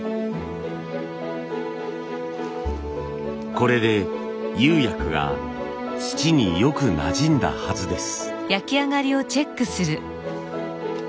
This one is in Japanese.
これで釉薬が土によくなじんだはずです。